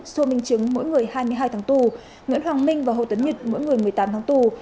sô minh trứng mỗi người hai mươi hai tháng tù nguyễn hoảng minh và hồ tấn nhật mỗi người một mươi tám tháng tù